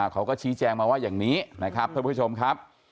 เขาก็ชี้แจงมาว่าอย่างนี้นะครับท่านผู้ชมครับ